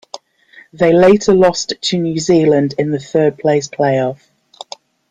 They later lost to New Zealand in the third-place playoff.